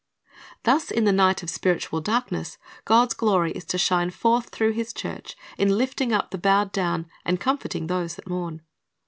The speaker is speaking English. "* Thus in the night of spiritual darkness God's glory is to shine forth through His church in lifting up the bowed down and comforting those that mourn.